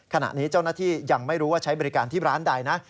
ขณะนี้เจ้าหน้าที่ยังไม่รู้ว่าใช้บริการที่ร้านใดนะ